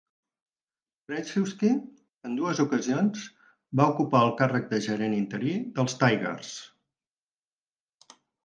Tracewski, en dues ocasions, va ocupar el càrrec de gerent interí dels Tigers.